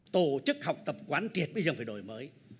tổ chức học tập quán triệt bây giờ phải đổi mới